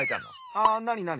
ああなになに？